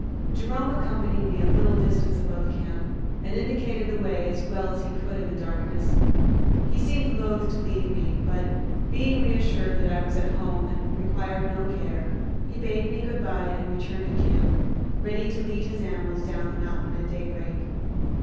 Jerome accompanied me a little distance above camp and indicated the way as well as he could in the darkness. He seemed loath to leave me, but, being reassured that I was at home and required no care, he bade me good bye and returned to camp, ready to lead his animals down the mountain at daybreak.